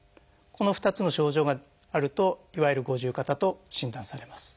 この２つの症状があるといわゆる「五十肩」と診断されます。